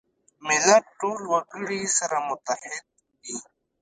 ملت ټول وګړي سره متحد وي.